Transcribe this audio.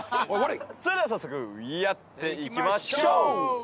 それでは早速やっていきま。